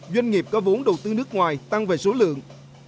doanh nghiệp có vốn đầu tư nước ngoài tăng về số lượng